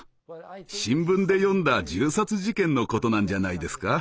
新聞で読んだ銃殺事件のことなんじゃないですか？